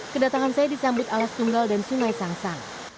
kedatangan saya disambut alas tunggal dan sungai sangsang